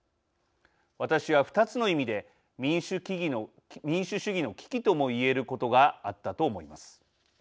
私は２つの意味で民主主義の危機とも言えることがあったと思います。